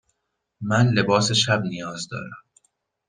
من لباس شب نیاز دارم.